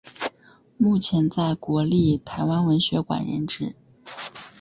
目前在国立台湾文学馆任职。